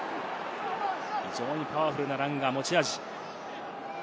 非常にパワフルなランが持ち味。